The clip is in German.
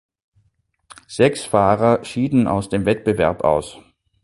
Sechs Fahrer schieden aus dem Wettbewerb aus.